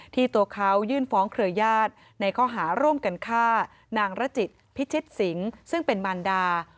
ตัวเขายื่นฟ้องเครือญาติในข้อหาร่วมกันฆ่านางรจิตพิชิตสิงซึ่งเป็นมารดา